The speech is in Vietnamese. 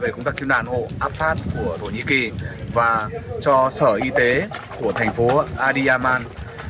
chúng ta cứu nạn hộ áp phát của thổ nhĩ kỳ và cho sở y tế của thành phố adiyaman